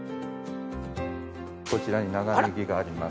こちらに長ねぎがあります。